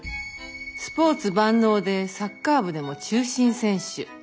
スポーツ万能でサッカー部でも中心選手。